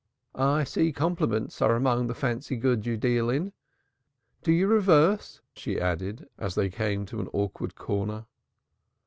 "I see compliments are among the fancy goods you deal in. Do you reverse?" she added, as they came to an awkward corner.